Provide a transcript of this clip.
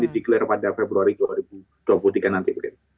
declare pada februari dua ribu dua puluh tiga nanti begitu